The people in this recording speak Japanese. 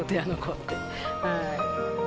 はい。